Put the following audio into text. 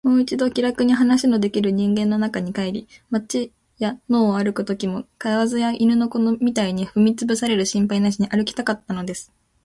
もう一度、気らくに話のできる人間の中に帰り、街や野を歩くときも、蛙や犬の子みたいに踏みつぶされる心配なしに歩きたかったのです。